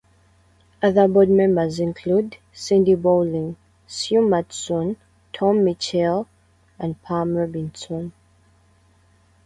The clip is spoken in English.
Other board members include: Cindy Bowling, Sue Matson, Tom Mitchell, and Pam Robinson.